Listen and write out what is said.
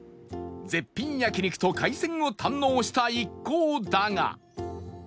絶品焼肉と海鮮を堪能した一行だが